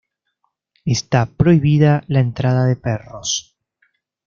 Está prohibida la entrada de perros.